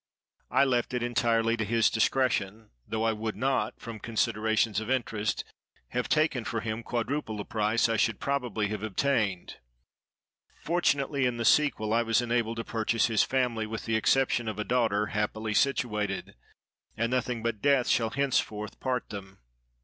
I left it entirely to his discretion, though I would not, from considerations of interest, have taken for him quadruple the price I should probably have obtained. Fortunately, in the sequel, I was enabled to purchase his family, with the exception of a daughter, happily situated; and nothing but death shall henceforth part them.